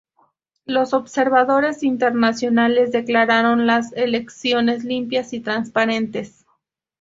Los observadores internacionales declararon las elecciones limpias y transparentes.